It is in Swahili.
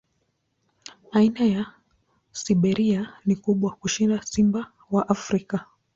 Aina ya Siberia ni kubwa kushinda simba wa Afrika.